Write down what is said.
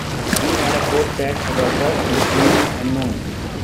He had a fourth child, a daughter, whose name is unknown.